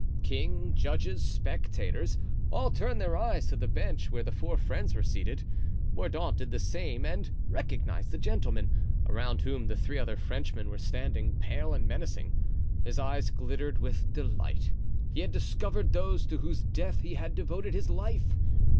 King, judges, spectators, all turned their eyes to the bench where the four friends were seated. Mordaunt did the same and recognized the gentleman, around whom the three other Frenchmen were standing, pale and menacing. His eyes glittered with delight. He had discovered those to whose death he had devoted his life.